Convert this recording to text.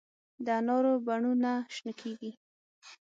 د انارو بڼونه شنه کیږي